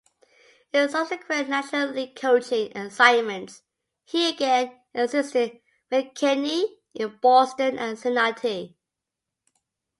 In subsequent National League coaching assignments, he again assisted McKechnie in Boston and Cincinnati.